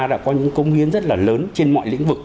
đã có những công hiến rất là lớn trên mọi lĩnh vực